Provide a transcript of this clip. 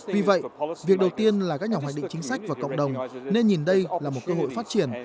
vì vậy việc đầu tiên là các nhà hoạch định chính sách và cộng đồng nên nhìn đây là một cơ hội phát triển